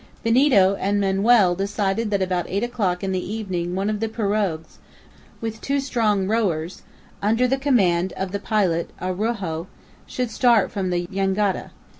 Benito and Manoel decided that about eight o'clock in the evening one of the pirogues, with two strong rowers, under the command of the pilot Araujo, should start from the jangada.